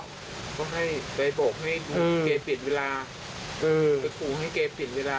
ก็ให้ไปบอกให้เกบเปลี่ยนเวลา